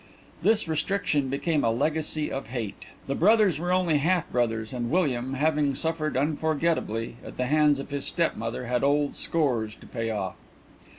This restriction became a legacy of hate. The brothers were only half brothers and William having suffered unforgettably at the hands of his step mother had old scores to pay off.